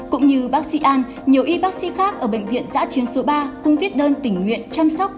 cũng như bác sĩ an nhiều y bác sĩ khác ở bệnh viện giã chiến số ba cùng viết đơn tình nguyện chăm sóc